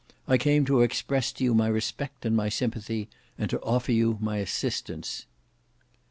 I came to express to you my respect and my sympathy, and to offer you my assistance."